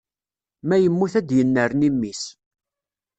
Ma yemmut ad d-yennerni mmi-s